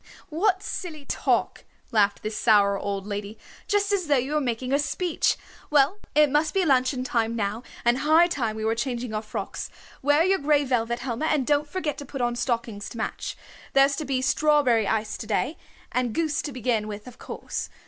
"What silly talk," laughed the sour old lady. "Just as though you were making a speech. Well, it must be luncheon time now, and high time we were changing our frocks. Wear your gray velvet, Helma, and don't forget to put on stockings to match. There's to be strawberry ice to day, and goose to begin with of course.